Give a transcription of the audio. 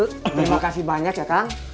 terima kasih banyak ya kang